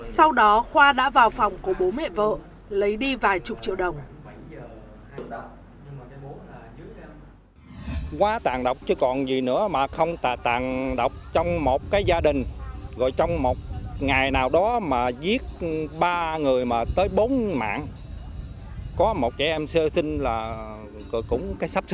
sau đó khoa đã vào phòng của bố mẹ vợ lấy đi vài chục triệu đồng